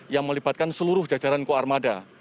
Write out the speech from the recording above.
yang melibatkan seluruh jajaran koarmada